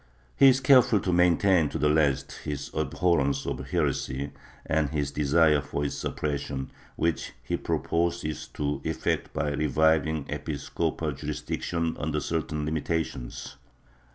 He is careful to maintain to the last his abhorrence of heresy and his desire for its suppression, which he proposes to effect by reviving episcopal jurisdiction under certain limitations.